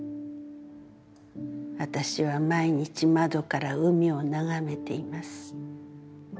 私は毎日窓から海をながめています。